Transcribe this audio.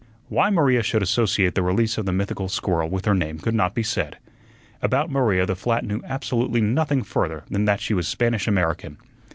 Why Maria should associate the release of the mythical squirrel with her name could not be said. About Maria the flat knew absolutely nothing further than that she was Spanish American.